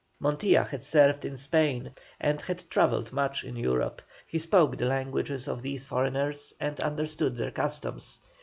Montilla had served in Spain, and had travelled much in Europe; he spoke the languages of these foreigners and understood their customs.